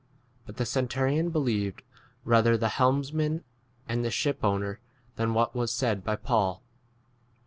But the centu rion believed rather the helmsman and the shipowner than what was 12 said by Paul.